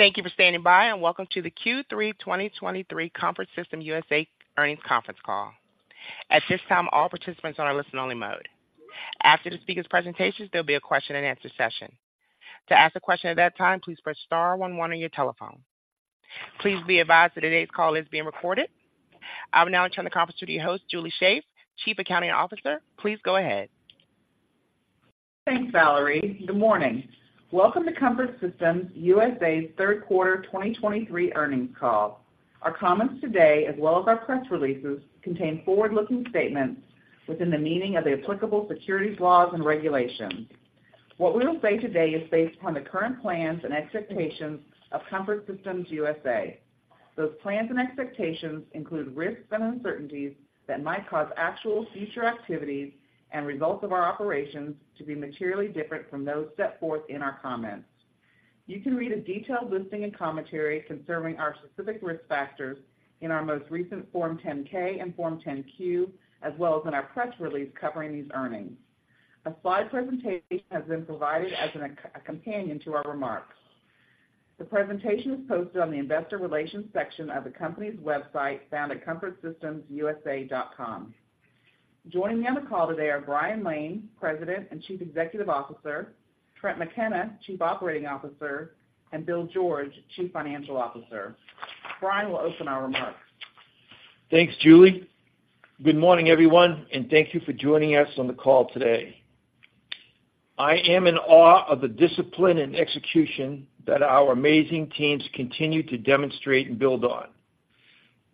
Thank you for standing by, and welcome to the Q3 2023 Comfort Systems USA earnings conference call. At this time, all participants are on a listen-only mode. After the speaker's presentations, there'll be a question-and-answer session. To ask a question at that time, please press star one one on your telephone. Please be advised that today's call is being recorded. I will now turn the conference to your host, Julie Shaeff, Chief Accounting Officer. Please go ahead. Thanks, Valerie. Good morning. Welcome to Comfort Systems USA's third quarter 2023 earnings call. Our comments today, as well as our press releases, contain forward-looking statements within the meaning of the applicable securities, laws, and regulations. What we will say today is based upon the current plans and expectations of Comfort Systems USA. Those plans and expectations include risks and uncertainties that might cause actual future activities and results of our operations to be materially different from those set forth in our comments. You can read a detailed listing and commentary concerning our specific risk factors in our most recent Form 10-K and Form 10-Q, as well as in our press release covering these earnings. A slide presentation has been provided as a companion to our remarks. The presentation is posted on the investor relations section of the company's website, found at comfortsystemsusa.com. Joining me on the call today are Brian Lane, President and Chief Executive Officer, Trent McKenna, Chief Operating Officer, and Bill George, Chief Financial Officer. Brian will open our remarks. Thanks, Julie. Good morning, everyone, and thank you for joining us on the call today. I am in awe of the discipline and execution that our amazing teams continue to demonstrate and build on.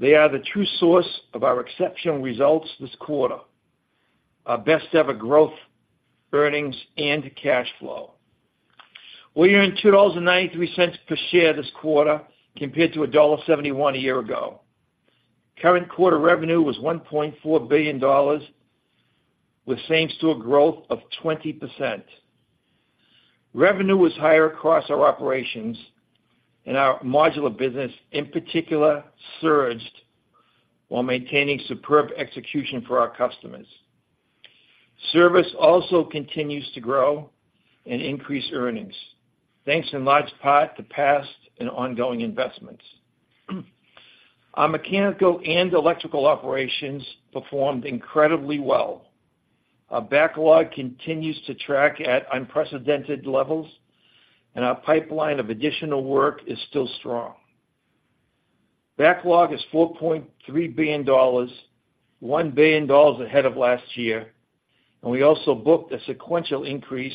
They are the true source of our exceptional results this quarter, our best-ever growth, earnings, and cash flow. We earned $2.93 per share this quarter, compared to $1.71 a year ago. Current quarter revenue was $1.4 billion, with same-store growth of 20%. Revenue was higher across our operations, and our modular business, in particular, surged while maintaining superb execution for our customers. Service also continues to grow and increase earnings, thanks in large part to past and ongoing investments. Our mechanical and electrical operations performed incredibly well. Our backlog continues to track at unprecedented levels, and our pipeline of additional work is still strong. Backlog is $4.3 billion, $1 billion ahead of last year, and we also booked a sequential increase,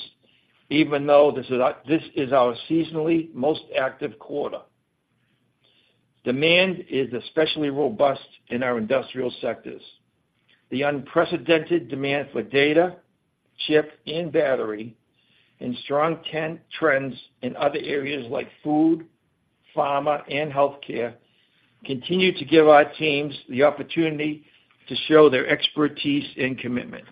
even though this is our seasonally most active quarter. Demand is especially robust in our industrial sectors. The unprecedented demand for data, chip, and battery, and strong 10-year trends in other areas like food, pharma, and healthcare, continue to give our teams the opportunity to show their expertise and commitment.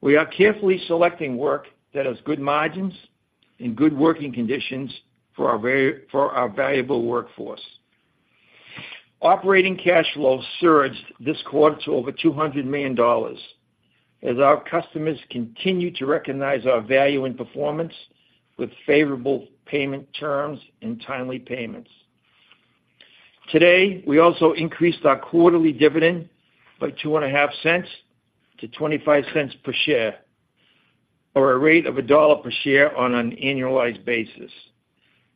We are carefully selecting work that has good margins and good working conditions for our valuable workforce. Operating cash flow surged this quarter to over $200 million, as our customers continue to recognize our value and performance with favorable payment terms and timely payments. Today, we also increased our quarterly dividend by $0.025 to $0.25 per share, or a rate of $1 per share on an annualized basis.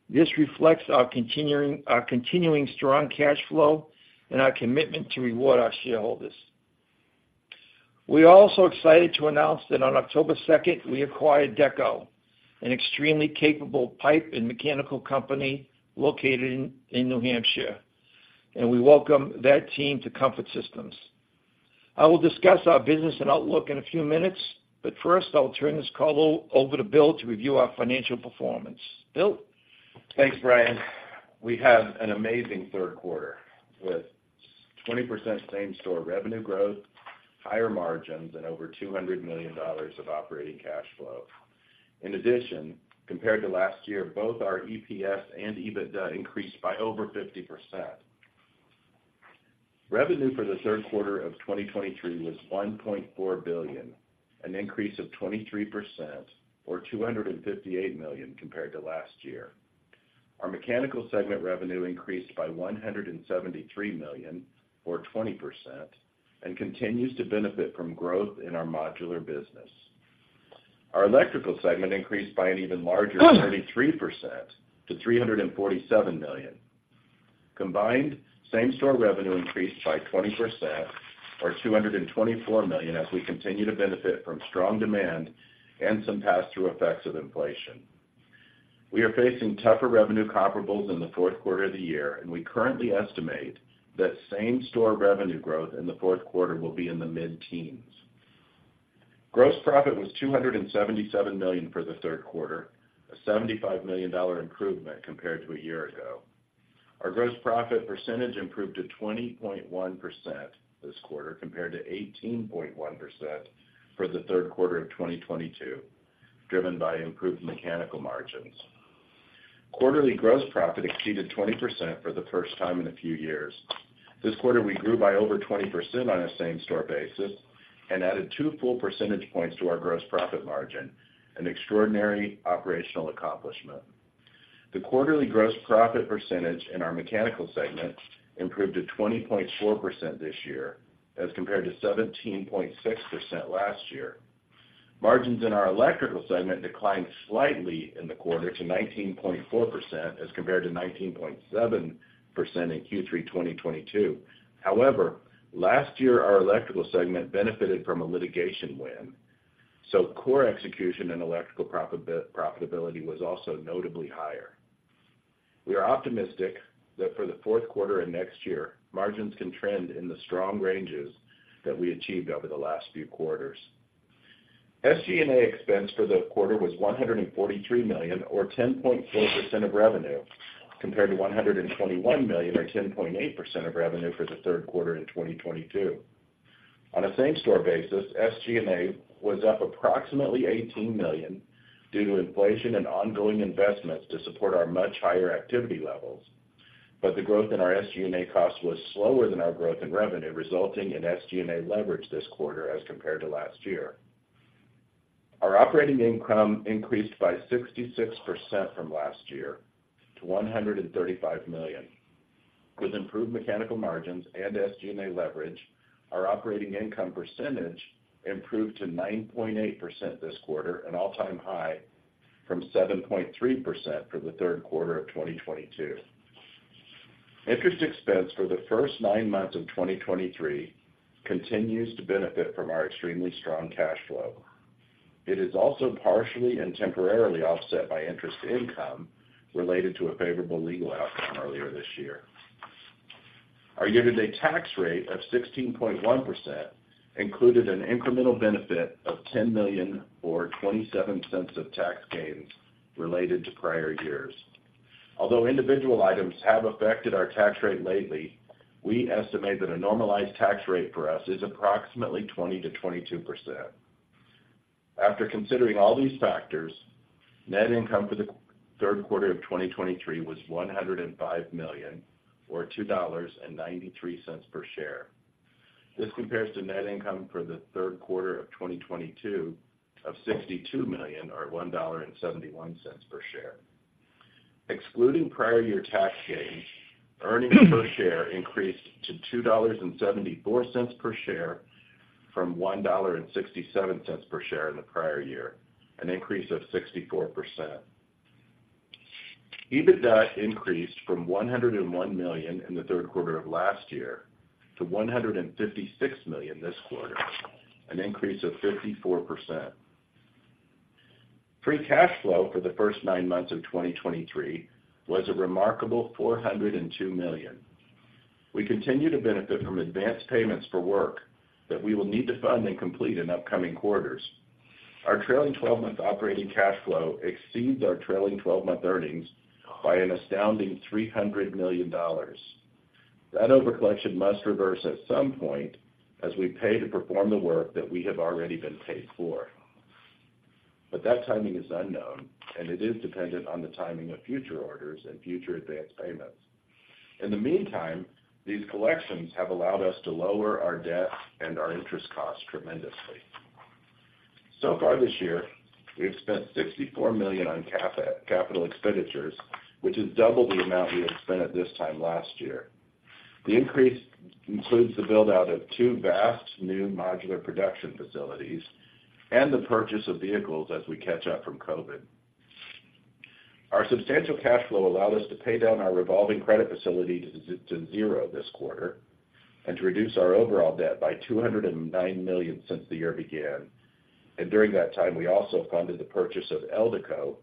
This reflects our continuing strong cash flow and our commitment to reward our shareholders. We are also excited to announce that on October 2, we acquired DECCO, an extremely capable pipe and mechanical company located in New Hampshire, and we welcome that team to Comfort Systems. I will discuss our business and outlook in a few minutes, but first, I'll turn this call over to Bill to review our financial performance. Bill? Thanks, Brian. We had an amazing third quarter, with 20% same-store revenue growth, higher margins, and over $200 million of operating cash flow. In addition, compared to last year, both our EPS and EBITDA increased by over 50%. Revenue for the third quarter of 2023 was $1.4 billion, an increase of 23% or $258 million compared to last year. Our mechanical segment revenue increased by $173 million, or 20%, and continues to benefit from growth in our modular business. Our electrical segment increased by an even larger 33% to $347 million. Combined, same-store revenue increased by 20% or $224 million as we continue to benefit from strong demand and some pass-through effects of inflation. We are facing tougher revenue comparables in the fourth quarter of the year, and we currently estimate that same-store revenue growth in the fourth quarter will be in the mid-teens. Gross profit was $277 million for the third quarter, a $75 million improvement compared to a year ago. Our gross profit percentage improved to 20.1% this quarter, compared to 18.1% for the third quarter of 2022, driven by improved mechanical margins. Quarterly gross profit exceeded 20% for the first time in a few years.... This quarter, we grew by over 20% on a same-store basis and added two full percentage points to our gross profit margin, an extraordinary operational accomplishment. The quarterly gross profit percentage in our mechanical segment improved to 20.4% this year, as compared to 17.6% last year. Margins in our electrical segment declined slightly in the quarter to 19.4%, as compared to 19.7% in Q3 2022. However, last year, our electrical segment benefited from a litigation win, so core execution and electrical profitability was also notably higher. We are optimistic that for the fourth quarter and next year, margins can trend in the strong ranges that we achieved over the last few quarters. SG&A expense for the quarter was $143 million, or 10.4% of revenue, compared to $121 million, or 10.8% of revenue for the third quarter in 2022. On a same-store basis, SG&A was up approximately $18 million due to inflation and ongoing investments to support our much higher activity levels. But the growth in our SG&A cost was slower than our growth in revenue, resulting in SG&A leverage this quarter as compared to last year. Our operating income increased by 66% from last year to $135 million. With improved mechanical margins and SG&A leverage, our operating income percentage improved to 9.8% this quarter, an all-time high, from 7.3% for the third quarter of 2022. Interest expense for the first nine months of 2023 continues to benefit from our extremely strong cash flow. It is also partially and temporarily offset by interest income related to a favorable legal outcome earlier this year. Our year-to-date tax rate of 16.1% included an incremental benefit of $10 million, or $0.27 of tax gains related to prior years. Although individual items have affected our tax rate lately, we estimate that a normalized tax rate for us is approximately 20%-22%. After considering all these factors, net income for the third quarter of 2023 was $105 million, or $2.93 per share. This compares to net income for the third quarter of 2022 of $62 million, or $1.71 per share. Excluding prior year tax gains, earnings per share increased to $2.74 per share from $1.67 per share in the prior year, an increase of 64%. EBITDA increased from $101 million in the third quarter of last year to $156 million this quarter, an increase of 54%. Free cash flow for the first nine months of 2023 was a remarkable $402 million. We continue to benefit from advanced payments for work that we will need to fund and complete in upcoming quarters. Our trailing twelve-month operating cash flow exceeds our trailing twelve-month earnings by an astounding $300 million. That overcollection must reverse at some point as we pay to perform the work that we have already been paid for. But that timing is unknown, and it is dependent on the timing of future orders and future advanced payments. In the meantime, these collections have allowed us to lower our debt and our interest costs tremendously. So far this year, we have spent $64 million on capital expenditures, which is double the amount we had spent at this time last year. The increase includes the build-out of two vast new modular production facilities and the purchase of vehicles as we catch up from COVID. Our substantial cash flow allowed us to pay down our revolving credit facility to zero this quarter and to reduce our overall debt by $209 million since the year began. During that time, we also funded the purchase of DECCO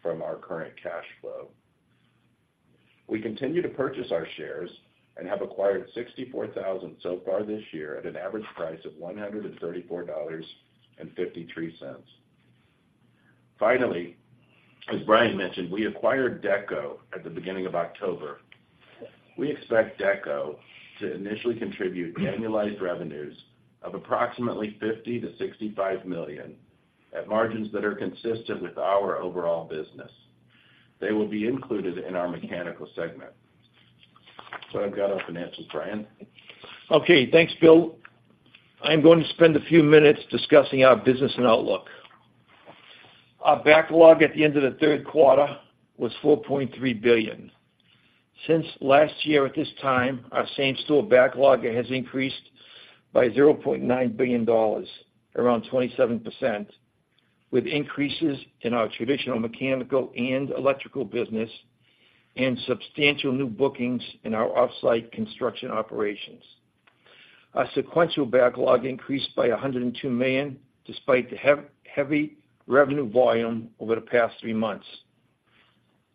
from our current cash flow. We continue to purchase our shares and have acquired 64,000 so far this year at an average price of $134.53. Finally, as Brian mentioned, we acquired DECCO at the beginning of October. We expect DECCO to initially contribute annualized revenues of approximately $50 million-$65 million, at margins that are consistent with our overall business. They will be included in our mechanical segment. I've got our financials, Brian. Okay, thanks, Bill. I'm going to spend a few minutes discussing our business and outlook. Our backlog at the end of the third quarter was $4.3 billion. Since last year at this time, our same-store backlog has increased by $0.9 billion, around 27%, with increases in our traditional mechanical and electrical business and substantial new bookings in our off-site construction operations. Our sequential backlog increased by $102 million, despite the heavy revenue volume over the past three months.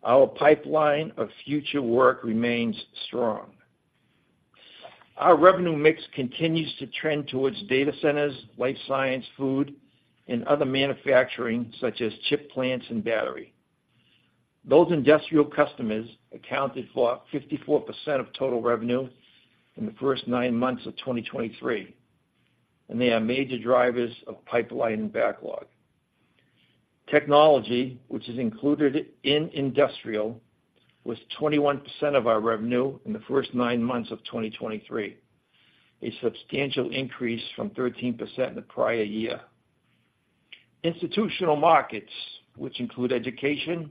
Our pipeline of future work remains strong. Our revenue mix continues to trend towards data centers, life science, food, and other manufacturing, such as chip plants and battery. Those industrial customers accounted for 54% of total revenue in the first nine months of 2023, and they are major drivers of pipeline and backlog. Technology, which is included in industrial, was 21% of our revenue in the first 9 months of 2023, a substantial increase from 13% in the prior year. Institutional markets, which include education,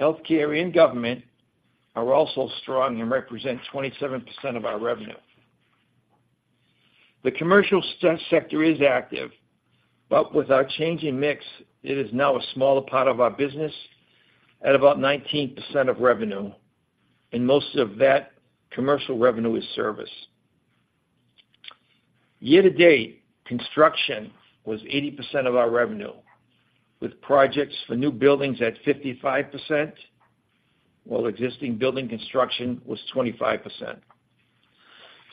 healthcare, and government, are also strong and represent 27% of our revenue. The commercial sector is active, but with our changing mix, it is now a smaller part of our business at about 19% of revenue, and most of that commercial revenue is service. Year to date, construction was 80% of our revenue, with projects for new buildings at 55%, while existing building construction was 25%.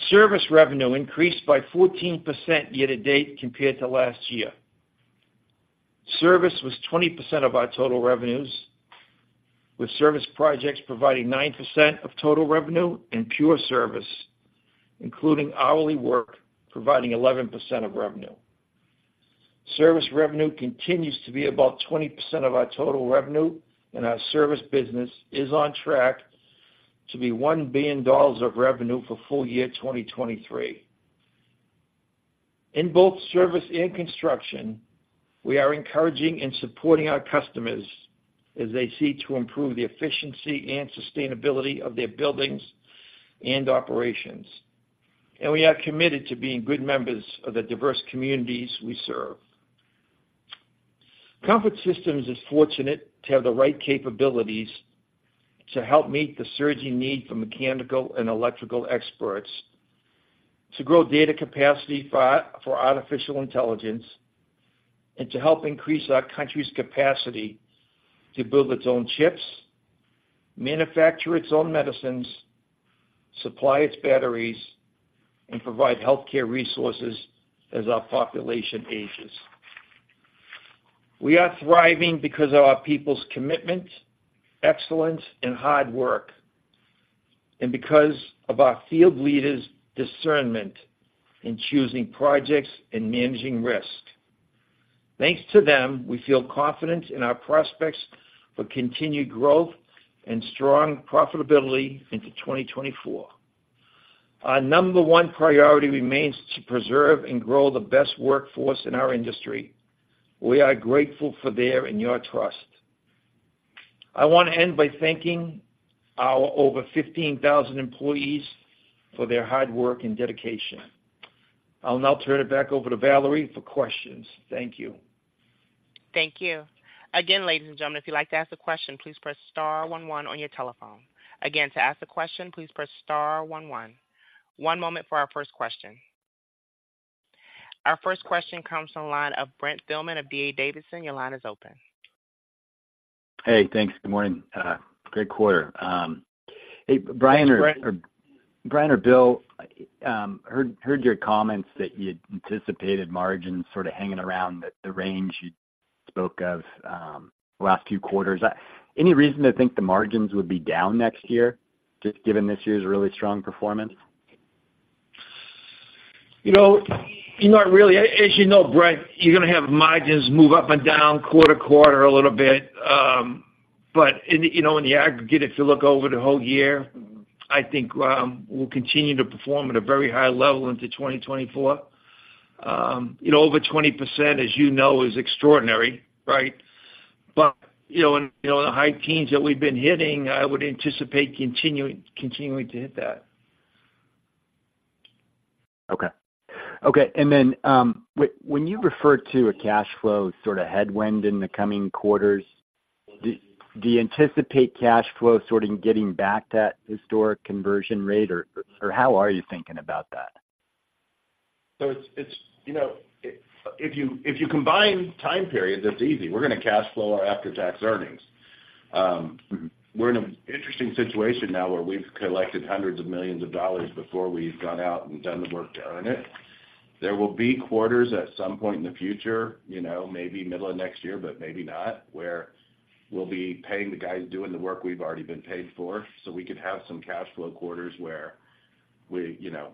Service revenue increased by 14% year to date compared to last year. Service was 20% of our total revenues, with service projects providing 9% of total revenue and pure service, including hourly work, providing 11% of revenue. Service revenue continues to be about 20% of our total revenue, and our service business is on track to be $1 billion of revenue for full year 2023. In both service and construction, we are encouraging and supporting our customers as they seek to improve the efficiency and sustainability of their buildings and operations, and we are committed to being good members of the diverse communities we serve. Comfort Systems is fortunate to have the right capabilities to help meet the surging need for mechanical and electrical experts, to grow data capacity for artificial intelligence, and to help increase our country's capacity to build its own chips, manufacture its own medicines, supply its batteries, and provide healthcare resources as our population ages. We are thriving because of our people's commitment, excellence, and hard work, and because of our field leaders' discernment in choosing projects and managing risk. Thanks to them, we feel confident in our prospects for continued growth and strong profitability into 2024. Our number one priority remains to preserve and grow the best workforce in our industry. We are grateful for their and your trust. I want to end by thanking our over 15,000 employees for their hard work and dedication. I'll now turn it back over to Valerie for questions. Thank you. Thank you. Again, ladies and gentlemen, if you'd like to ask a question, please press star one one on your telephone. Again, to ask a question, please press star one one. One moment for our first question. Our first question comes from the line of Brent Thielman of D.A. Davidson. Your line is open. Hey, thanks. Good morning. Great quarter. Hey, Brian or Bill, heard your comments that you anticipated margins sort of hanging around the range you spoke of, the last few quarters. Any reason to think the margins would be down next year, just given this year's really strong performance? You know, you know, really, as you know, Brent, you're gonna have margins move up and down quarter to quarter a little bit. But in the, you know, in the aggregate, if you look over the whole year, I think, we'll continue to perform at a very high level into 2024. You know, over 20%, as you know, is extraordinary, right? But, you know, and, you know, the high teens% that we've been hitting, I would anticipate continuing to hit that. Okay. Okay, and then, when you refer to a cash flow sort of headwind in the coming quarters, do you anticipate cash flow sort of getting back to that historic conversion rate, or how are you thinking about that? So it's, you know, if you combine time periods, it's easy. We're gonna cash flow our after-tax earnings. We're in an interesting situation now where we've collected hundreds of millions of dollars before we've gone out and done the work to earn it. There will be quarters at some point in the future, you know, maybe middle of next year, but maybe not, where we'll be paying the guys doing the work we've already been paid for. So we could have some cash flow quarters where we, you know,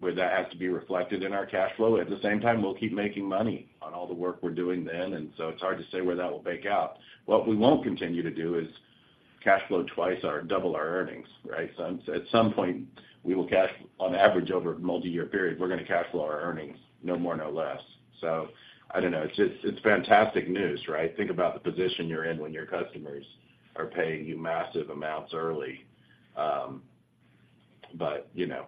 where that has to be reflected in our cash flow. At the same time, we'll keep making money on all the work we're doing then, and so it's hard to say where that will bake out. What we won't continue to do is cash flow twice or double our earnings, right? So at some point, we will cash, on average, over a multiyear period, we're gonna cash flow our earnings, no more, no less. So I don't know. It's, it's fantastic news, right? Think about the position you're in when your customers are paying you massive amounts early. But, you know,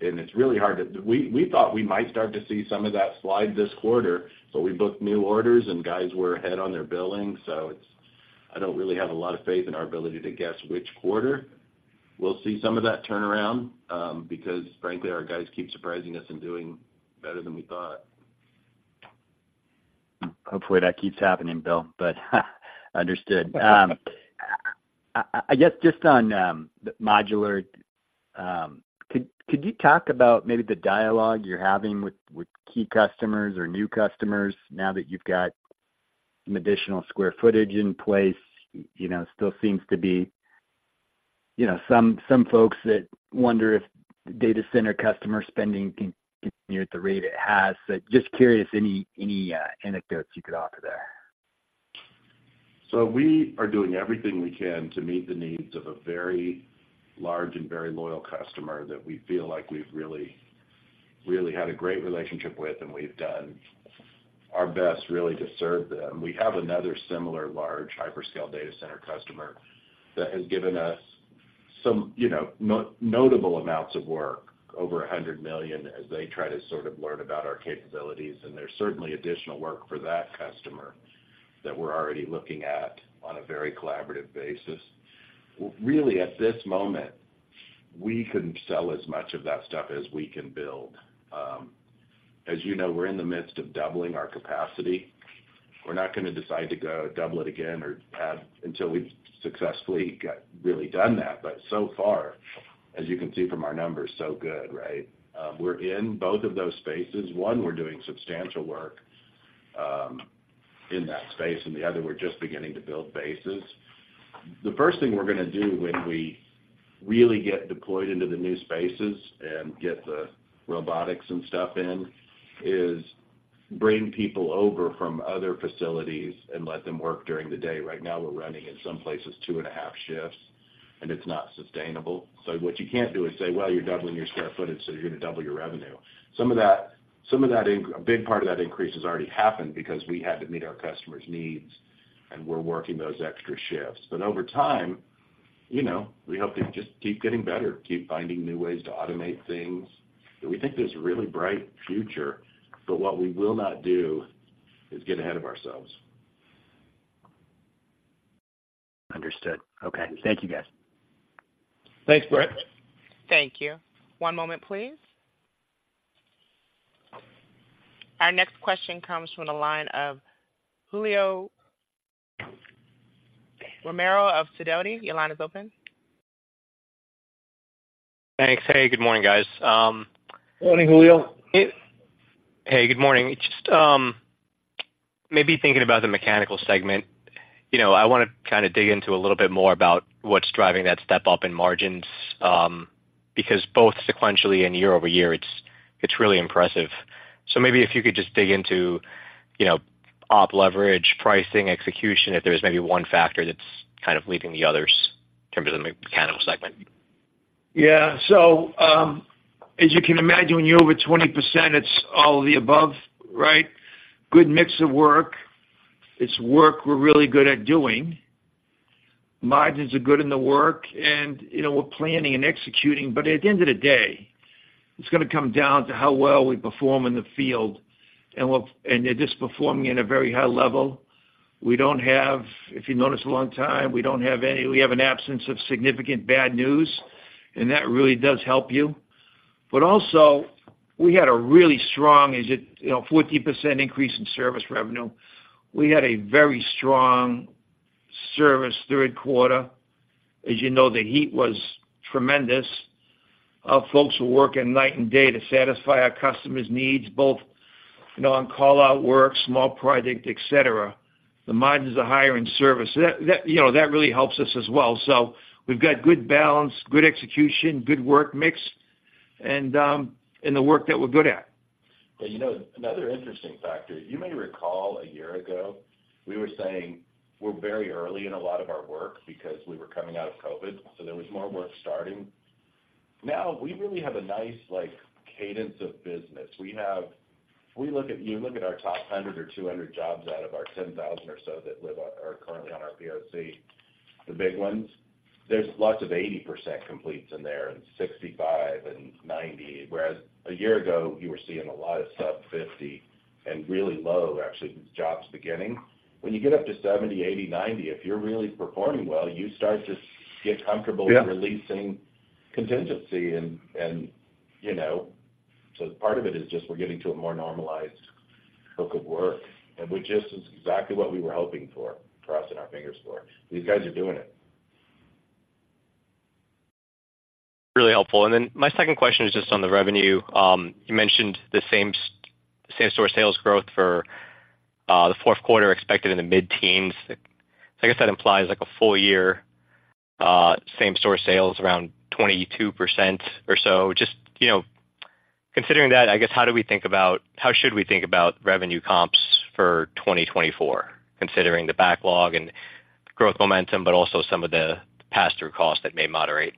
and it's really hard to... We, we thought we might start to see some of that slide this quarter, but we booked new orders and guys were ahead on their billing, so it's. I don't really have a lot of faith in our ability to guess which quarter. We'll see some of that turnaround, because frankly, our guys keep surprising us and doing better than we thought. Hopefully, that keeps happening, Bill, but understood. I guess just on the modular, could you talk about maybe the dialogue you're having with key customers or new customers now that you've got some additional square footage in place? You know, still seems to be, you know, some folks that wonder if data center customer spending can continue at the rate it has. So just curious, any anecdotes you could offer there? So we are doing everything we can to meet the needs of a very large and very loyal customer that we feel like we've really, really had a great relationship with, and we've done our best, really, to serve them. We have another similar large hyperscale data center customer that has given us some, you know, notable amounts of work, over $100 million, as they try to sort of learn about our capabilities, and there's certainly additional work for that customer that we're already looking at on a very collaborative basis. Really, at this moment, we couldn't sell as much of that stuff as we can build. As you know, we're in the midst of doubling our capacity. We're not gonna decide to go double it again or have until we've successfully got really done that. But so far, as you can see from our numbers, so good, right? We're in both of those spaces. One, we're doing substantial work in that space, and the other, we're just beginning to build bases. The first thing we're gonna do when we really get deployed into the new spaces and get the robotics and stuff in, is bring people over from other facilities and let them work during the day. Right now, we're running, in some places, two and a half shifts, and it's not sustainable. So what you can't do is say, "Well, you're doubling your square footage, so you're gonna double your revenue." Some of that, a big part of that increase has already happened because we had to meet our customers' needs, and we're working those extra shifts. Over time, you know, we hope to just keep getting better, keep finding new ways to automate things. We think there's a really bright future, but what we will not do is get ahead of ourselves. Understood. Okay. Thank you, guys. Thanks, Brett. Thank you. One moment, please. Our next question comes from the line of Julio Romero of Sidoti. Your line is open. Thanks. Hey, good morning, guys. Morning, Julio. Hey, good morning. Just, maybe thinking about the mechanical segment, you know, I wanna kind of dig into a little bit more about what's driving that step-up in margins, because both sequentially and year-over-year, it's, it's really impressive. So maybe if you could just dig into, you know, op leverage, pricing, execution, if there's maybe one factor that's kind of leading the others in terms of the mechanical segment. Yeah. So, as you can imagine, when you're over 20%, it's all of the above, right? Good mix of work. It's work we're really good at doing. Margins are good in the work, and, you know, we're planning and executing, but at the end of the day, it's gonna come down to how well we perform in the field, and we're and they're just performing at a very high level. We don't have, if you notice a long time, we have an absence of significant bad news, and that really does help you. But also, we had a really strong, as you know, 14% increase in service revenue. We had a very strong service third quarter. As you know, the heat was tremendous. Our folks were working night and day to satisfy our customers' needs, both, you know, on call-out work, small project, et cetera. The margins are higher in service. So that, that, you know, that really helps us as well. So we've got good balance, good execution, good work mix, and, and the work that we're good at. But, you know, another interesting factor, you may recall a year ago, we were saying we're very early in a lot of our work because we were coming out of COVID, so there was more work starting. Now, we really have a nice, like, cadence of business. We have... If we look at, you look at our top 100 or 200 jobs out of our 10,000 or so that live on—are currently on our POC, the big ones, there's lots of 80% completes in there, and 65 and 90, whereas a year ago, you were seeing a lot of sub 50 and really low, actually, jobs beginning. When you get up to 70, 80, 90, if you're really performing well, you start to get comfortable- Yeah -releasing contingency and, you know, so part of it is just we're getting to a more normalized book of work, and which is exactly what we were hoping for, crossing our fingers for. These guys are doing it. Really helpful. And then my second question is just on the revenue. You mentioned the same-store sales growth for the fourth quarter expected in the mid-teens. I guess that implies like a full year same-store sales around 22% or so. Just, you know, considering that, I guess, how should we think about revenue comps for 2024, considering the backlog and growth momentum, but also some of the pass-through costs that may moderate?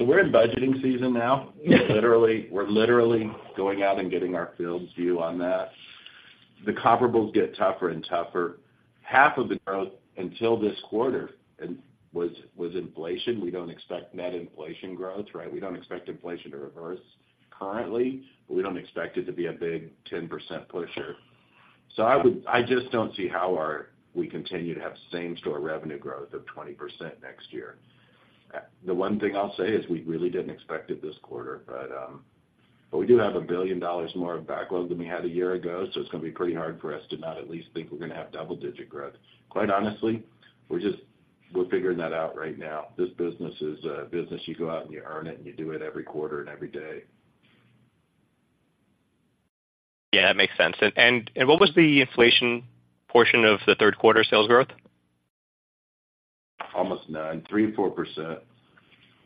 We're in budgeting season now. Yeah. Literally, we're literally going out and getting our field's view on that. The comparables get tougher and tougher. Half of the growth until this quarter was inflation. We don't expect net inflation growth, right? We don't expect inflation to reverse currently, but we don't expect it to be a big 10% pusher. So I just don't see how we continue to have same-store revenue growth of 20% next year. The one thing I'll say is we really didn't expect it this quarter, but we do have $1 billion more of backlog than we had a year ago, so it's gonna be pretty hard for us to not at least think we're gonna have double-digit growth. Quite honestly, we're just figuring that out right now. This business is a business you go out and you earn it, and you do it every quarter and every day. Yeah, that makes sense. And, and what was the inflation portion of the third quarter sales growth? Almost 9.34%,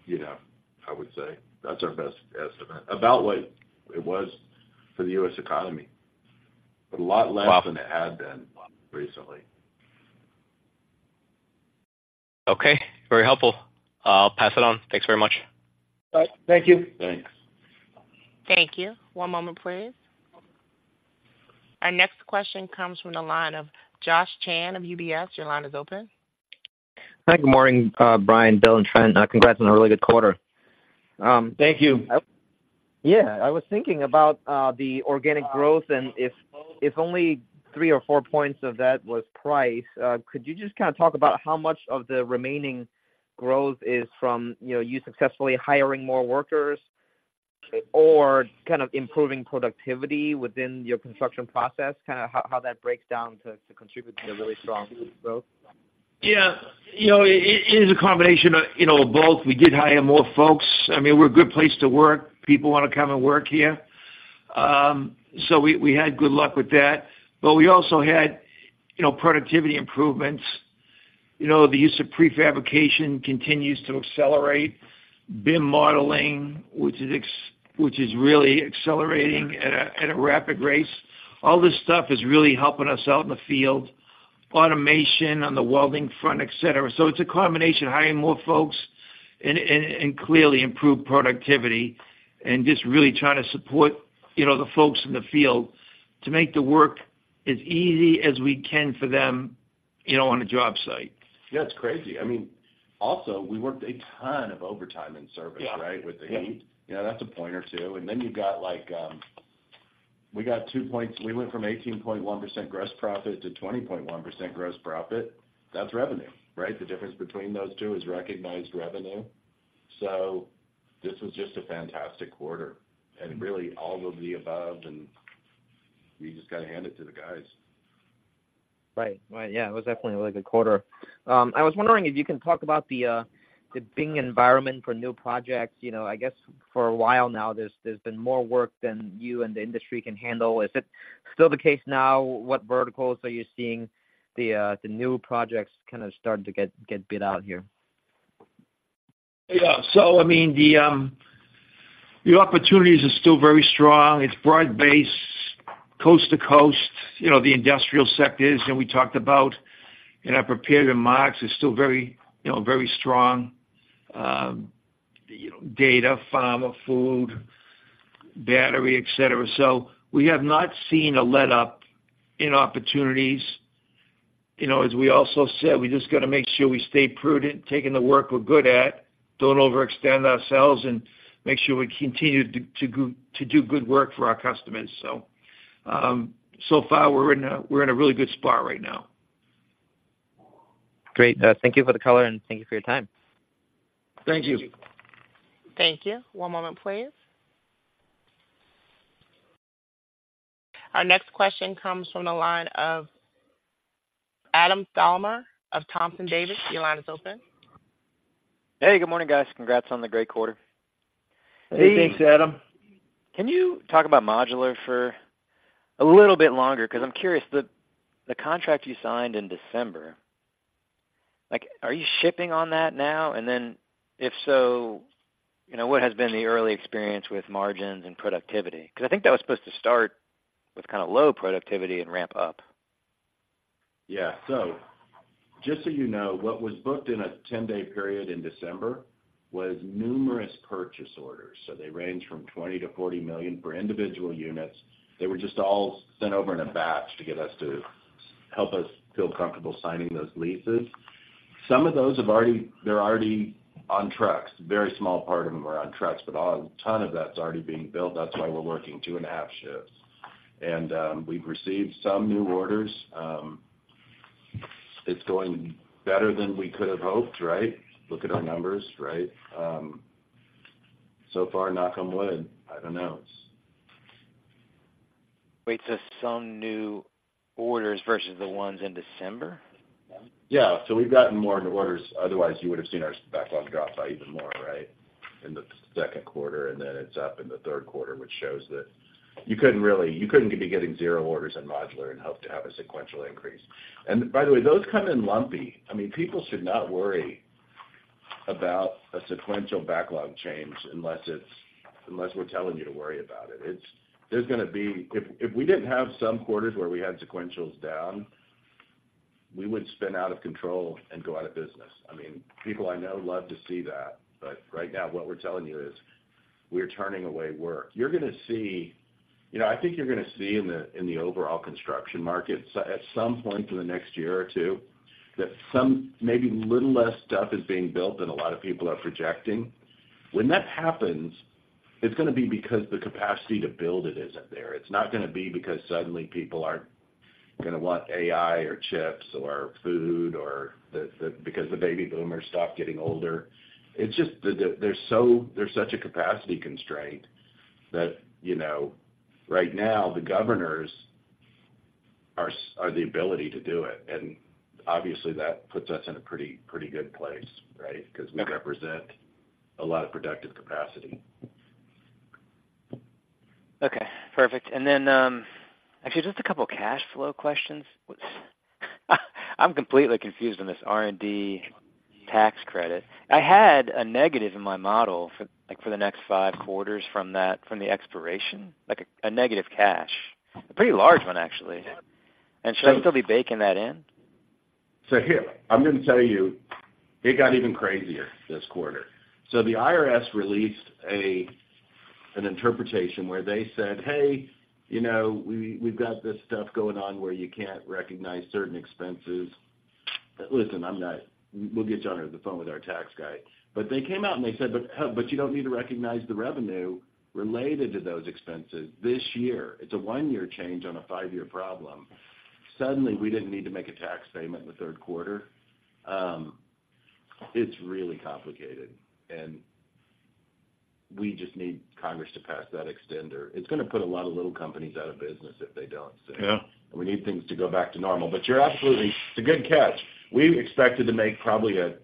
you know, I would say. That's our best estimate. About what it was for the U.S. economy, but a lot less than it had been recently. Okay, very helpful. I'll pass it on. Thanks very much. Thank you. Thanks. Thank you. One moment, please. Our next question comes from the line of Josh Chan of UBS. Your line is open. Hi, good morning, Brian, Bill, and Trent. Congrats on a really good quarter. Thank you. Yeah, I was thinking about the organic growth and if only 3 or 4 points of that was price, could you just kind of talk about how much of the remaining growth is from, you know, you successfully hiring more workers or kind of improving productivity within your construction process? Kind of how that breaks down to contribute to the really strong growth. Yeah. You know, it is a combination of, you know, both. We did hire more folks. I mean, we're a good place to work. People want to come and work here. So we had good luck with that. But we also had, you know, productivity improvements. You know, the use of prefabrication continues to accelerate. BIM modeling, which is really accelerating at a rapid rate. All this stuff is really helping us out in the field. Automation on the welding front, et cetera. So it's a combination of hiring more folks and clearly improved productivity and just really trying to support, you know, the folks in the field to make the work as easy as we can for them, you know, on a job site. Yeah, it's crazy. I mean, also, we worked a ton of overtime in service, right? Yeah. With the heat. You know, that's a point or two. And then you've got like, we got two points... We went from 18.1% gross profit to 20.1% gross profit. That's revenue, right? The difference between those two is recognized revenue. So this was just a fantastic quarter and really all of the above, and you just got to hand it to the guys. Right. Right. Yeah, it was definitely a really good quarter. I was wondering if you can talk about the bidding environment for new projects. You know, I guess for a while now, there's been more work than you and the industry can handle. Is it still the case now? What verticals are you seeing the new projects kind of starting to get bid out here? Yeah. So I mean, the opportunities are still very strong. It's broad-based, coast to coast, you know, the industrial sectors, and we talked about in our prepared remarks, is still very, you know, very strong, you know, data, pharma, food, battery, et cetera. So we have not seen a letup in opportunities. You know, as we also said, we just got to make sure we stay prudent, taking the work we're good at, don't overextend ourselves, and make sure we continue to do good work for our customers. So, so far, we're in a really good spot right now. Great. Thank you for the color, and thank you for your time. Thank you. Thank you. One moment, please. Our next question comes from the line of Adam Thalhimer of Thompson Davis. Your line is open. Hey, good morning, guys. Congrats on the great quarter. Hey, thanks, Adam. Can you talk about modular for a little bit longer? 'Cause I'm curious, the contract you signed in December, like, are you shipping on that now? And then if so, you know, what has been the early experience with margins and productivity? 'Cause I think that was supposed to start with kind of low productivity and ramp up. Yeah. So just so you know, what was booked in a 10-day period in December was numerous purchase orders, so they range from $20 million-$40 million for individual units. They were just all sent over in a batch to get us to—help us feel comfortable signing those leases. Some of those have already—they're already on trucks. A very small part of them are on trucks, but a ton of that's already being built. That's why we're working 2.5 shifts. And, we've received some new orders. It's going better than we could have hoped, right? Look at our numbers, right? So far, knock on wood, I don't know. Wait, so some new orders versus the ones in December? Yeah. So we've gotten more orders, otherwise you would have seen our backlog drop by even more, right, in the second quarter, and then it's up in the third quarter, which shows that you couldn't really, you couldn't be getting zero orders in modular and hope to have a sequential increase. And by the way, those come in lumpy. I mean, people should not worry about a sequential backlog change unless it's, unless we're telling you to worry about it. It's, there's gonna be. If we didn't have some quarters where we had sequentials down, we would spin out of control and go out of business. I mean, people I know love to see that, but right now, what we're telling you is, we're turning away work. You're gonna see—you know, I think you're gonna see in the, in the overall construction market, at some point in the next year or two, that maybe a little less stuff is being built than a lot of people are projecting. When that happens, it's gonna be because the capacity to build it isn't there. It's not gonna be because suddenly people aren't gonna want AI, or chips, or food, or because the baby boomers stop getting older. It's just that there's so—there's such a capacity constraint that, you know, right now, the governors are the ability to do it, and obviously, that puts us in a pretty, pretty good place, right? Because we represent a lot of productive capacity. Okay, perfect. And then, actually, just a couple of cash flow questions. I'm completely confused on this R&D tax credit. I had a negative in my model for, like, for the next five quarters from that, from the expiration, like a negative cash, a pretty large one actually. And should I still be baking that in? So here, I'm going to tell you, it got even crazier this quarter. So the IRS released an interpretation where they said, "Hey, you know, we've got this stuff going on where you can't recognize certain expenses." Listen, I'm not. We'll get you on the phone with our tax guy. But they came out, and they said, "But, but you don't need to recognize the revenue related to those expenses this year." It's a one-year change on a five-year problem. Suddenly, we didn't need to make a tax payment in the third quarter. It's really complicated, and we just need Congress to pass that extender. It's going to put a lot of little companies out of business if they don't. Yeah. We need things to go back to normal. But you're absolutely. It's a good catch. We expected to make probably a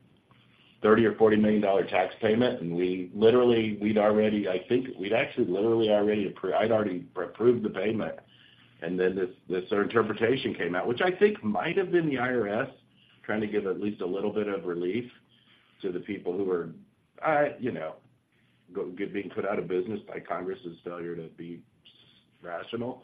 $30 million-$40 million tax payment, and we literally, we'd already. I think we'd actually already approved the payment, and then this, this interpretation came out, which I think might have been the IRS trying to give at least a little bit of relief to the people who are, you know, being put out of business by Congress's failure to be rational.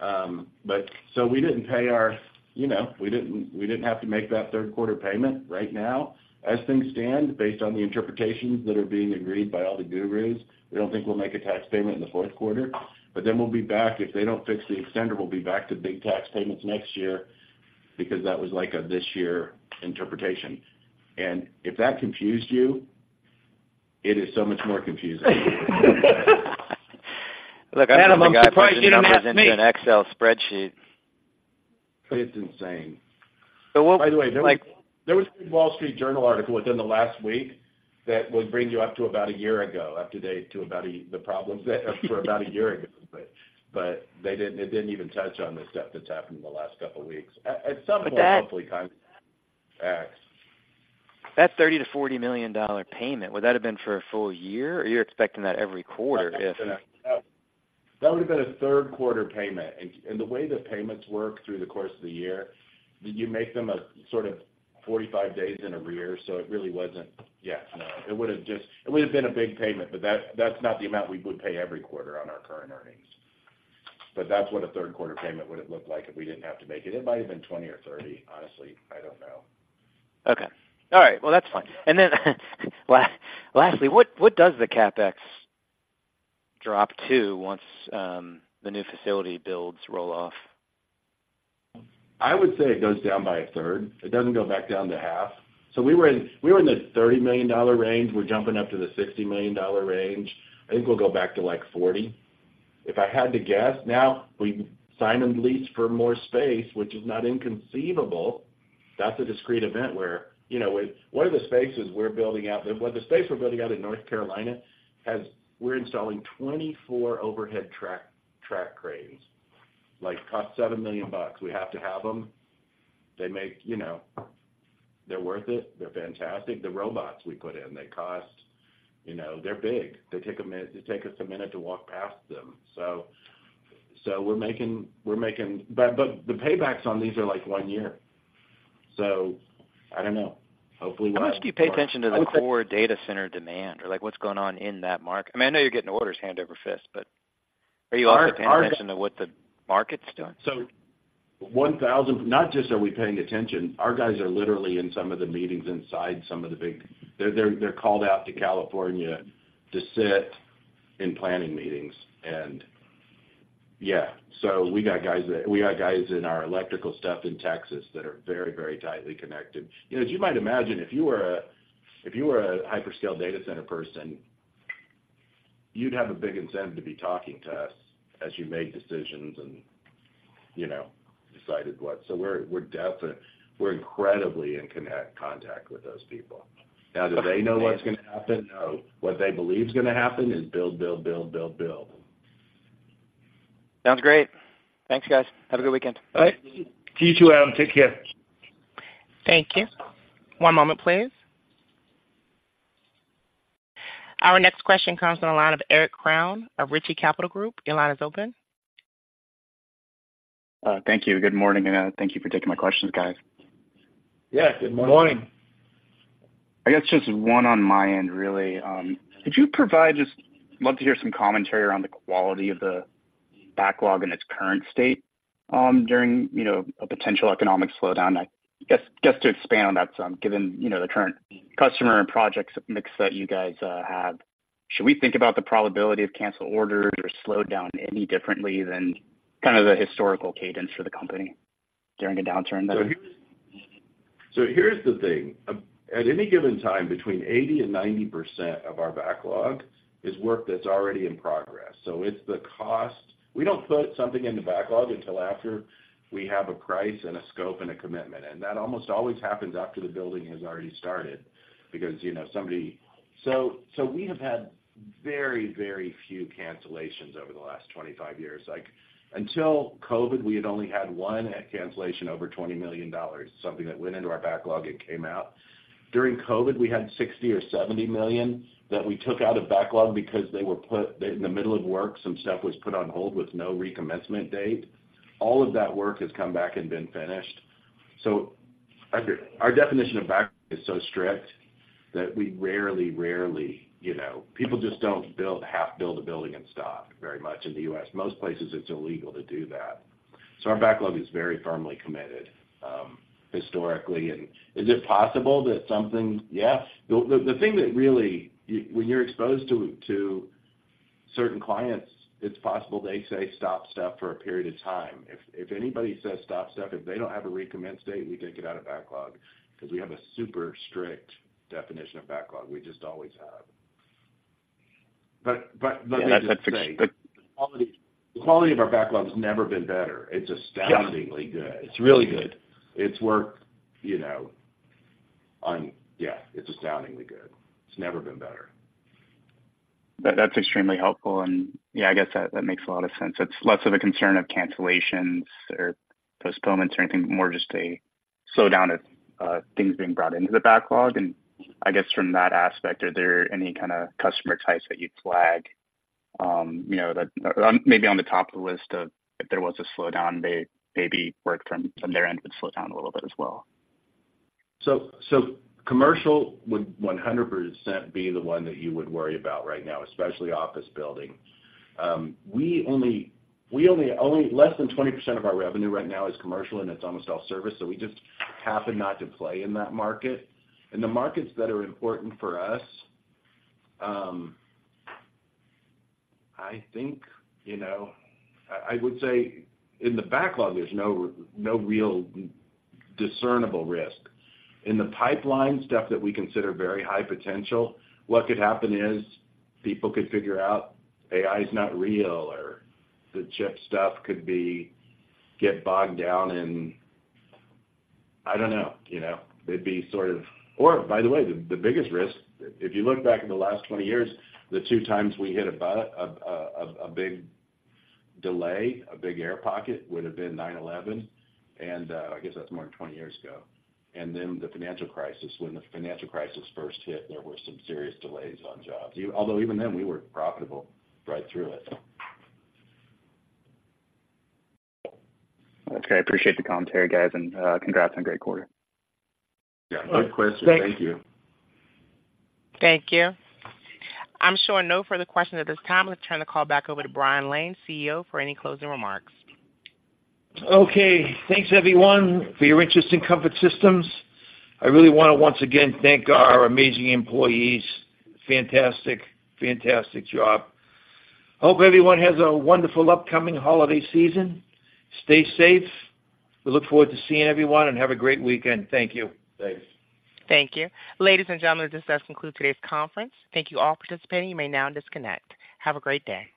But so we didn't pay our... You know, we didn't have to make that third quarter payment right now. As things stand, based on the interpretations that are being agreed by all the gurus, we don't think we'll make a tax payment in the fourth quarter, but then we'll be back. If they don't fix the extender, we'll be back to big tax payments next year because that was like a this year interpretation. And if that confused you, it is so much more confusing. Look, Adam, I'm surprised you don't ask me- An Excel spreadsheet. It's insane. So what, like- By the way, there was a Wall Street Journal article within the last week that would bring you up to about a year ago, up to date to about a, the problems that for about a year ago. But they didn't, it didn't even touch on the stuff that's happened in the last couple of weeks. At some point, hopefully, kind of X. That $30 million-$40 million payment, would that have been for a full year, or you're expecting that every quarter if- That would have been a third quarter payment, and the way the payments work through the course of the year, you make them sort of 45 days in arrears, so it really wasn't... Yeah, no, it would have just been a big payment, but that, that's not the amount we would pay every quarter on our current earnings. But that's what a third quarter payment would have looked like if we didn't have to make it. It might have been 20 or 30. Honestly, I don't know. Okay. All right, well, that's fine. And then, lastly, what does the CapEx drop to once the new facility builds roll off? I would say it goes down by a third. It doesn't go back down to half. We were in, we were in the $30 million range. We're jumping up to the $60 million range. I think we'll go back to, like, $40 million. If I had to guess, now, we signed on the lease for more space, which is not inconceivable. That's a discrete event where, you know, one of the spaces we're building out, the space we're building out in North Carolina, has—we're installing 24 overhead track cranes, like, cost $7 million. We have to have them. They make, you know... They're worth it. They're fantastic. The robots we put in, they cost, you know, they're big. They take a minute to walk past them. We're making, we're making... But the paybacks on these are, like, one year. So I don't know. Hopefully, we'll- How much do you pay attention to the core data center demand or, like, what's going on in that market? I mean, I know you're getting orders hand over fist, but are you also paying attention to what the market's doing? One thousand—not just are we paying attention, our guys are literally in some of the meetings inside some of the big—they're, they're called out to California to sit in planning meetings, and yeah. We got guys that, we got guys in our electrical stuff in Texas that are very, very tightly connected. You know, as you might imagine, if you were a, if you were a hyperscale data center person, you'd have a big incentive to be talking to us as you make decisions and, you know, decided what. We're, we're definite- we're incredibly in conne- contact with those people. Now, do they know what's going to happen? No. What they believe is going to happen is build, build, build, build, build. Sounds great. Thanks, guys. Have a good weekend. All right. You too, Adam. Take care. Thank you. One moment, please. Our next question comes on the line of Eric Crown of Richie Capital Group. Your line is open. Thank you. Good morning, and thank you for taking my questions, guys. Yeah, good morning. Good morning. I guess just one on my end, really. Could you provide just—I'd love to hear some commentary around the quality of the backlog in its current state, during, you know, a potential economic slowdown. I guess, just to expand on that some, given, you know, the current customer and projects mix that you guys have, should we think about the probability of canceled orders or slowed down any differently than kind of the historical cadence for the company during a downturn though? So here's the thing: At any given time, between 80% and 90% of our backlog is work that's already in progress, so it's the cost. We don't put something in the backlog until after we have a price and a scope and a commitment, and that almost always happens after the building has already started because, you know, somebody—so we have had very few cancellations over the last 25 years. Like, until COVID, we had only had one cancellation over $20 million, something that went into our backlog and came out. During COVID, we had $60 million or $70 million that we took out of backlog because they were put—in the middle of work, some stuff was put on hold with no recommencement date. All of that work has come back and been finished. So our definition of backlog is so strict that we rarely, you know, people just don't build half a building and stop very much in the U.S. Most places, it's illegal to do that. So our backlog is very firmly committed, historically. And is it possible that something? Yes. The thing that really, you, when you're exposed to certain clients, it's possible they say, "Stop stuff for a period of time." If anybody says, "Stop stuff," if they don't have a recommence date, we take it out of backlog because we have a super strict definition of backlog. We just always have. But let me just say, the quality of our backlog has never been better. It's astoundingly good. It's really good. It's worked, you know, on... Yeah, it's astoundingly good. It's never been better. That's extremely helpful. And, yeah, I guess that makes a lot of sense. It's less of a concern of cancellations or postponements or anything, but more just a slowdown of things being brought into the backlog. And I guess from that aspect, are there any kind of customer types that you'd flag, you know, that maybe on the top of the list of, if there was a slowdown, they maybe work from their end, would slow down a little bit as well? So, commercial would 100% be the one that you would worry about right now, especially office building. We only less than 20% of our revenue right now is commercial, and it's almost all service, so we just happen not to play in that market. In the markets that are important for us, I think, you know, I would say in the backlog, there's no real discernible risk. In the pipeline, stuff that we consider very high potential, what could happen is people could figure out AI is not real, or the chip stuff could be, get bogged down in—I don't know, you know? It'd be sort of or by the way, the biggest risk, if you look back at the last 20 years, the 2 times we hit a big delay, a big air pocket, would have been 9/11, and I guess that's more than 20 years ago. And then the financial crisis. When the financial crisis first hit, there were some serious delays on jobs. Although even then, we were profitable right through it. Okay. I appreciate the commentary, guys, and congrats on a great quarter. Yeah. Good question. Thank you. Thank you. I'm showing no further questions at this time. Let's turn the call back over to Brian Lane, CEO, for any closing remarks. Okay. Thanks, everyone, for your interest in Comfort Systems. I really want to once again thank our amazing employees. Fantastic, fantastic job. Hope everyone has a wonderful upcoming holiday season. Stay safe. We look forward to seeing everyone, and have a great weekend. Thank you. Thanks. Thank you. Ladies and gentlemen, this does conclude today's conference. Thank you all for participating. You may now disconnect. Have a great day.